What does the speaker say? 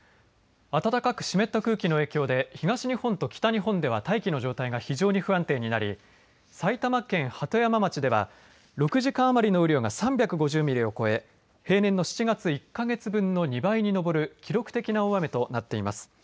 暖かく湿った空気の影響で東日本と北日本では大気の状態が非常に不安定になり埼玉県鳩山町では６時間余りの雨量が３５０ミリを超え平年の７月１か月分の２倍に上る記録的な大雨となっています。